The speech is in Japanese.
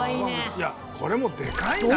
いやこれもでかいな。